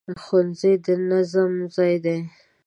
ښوونځی د نظم ځای دی